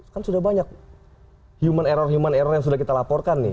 kan sudah banyak human error human error yang sudah kita laporkan nih